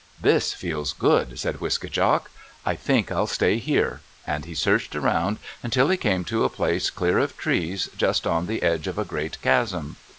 "This feels good," said Wiske djak. "I think I'll stay here," and he searched around until he came to a place clear of trees just on the edge of a great chasm.